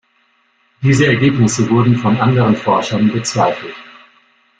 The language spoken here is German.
Diese Ergebnisse wurden von anderen Forschern bezweifelt.